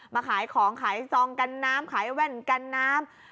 มาขายของขายซองกันน้ำขายแว่นกันน้ำ